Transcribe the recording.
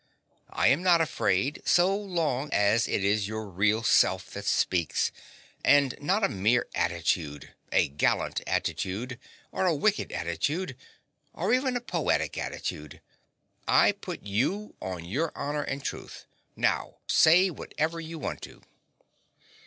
I am not afraid, so long as it is your real self that speaks, and not a mere attitude a gallant attitude, or a wicked attitude, or even a poetic attitude. I put you on your honor and truth. Now say whatever you want to.